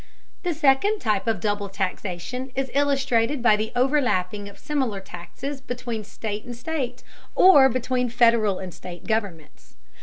The second type of double taxation is illustrated by the overlapping of similar taxes between state and state, or between Federal and state governments.